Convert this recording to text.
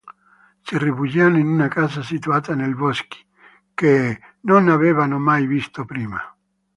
Si rifugiano in una casa situata nei boschi, che non avevano mai visto prima.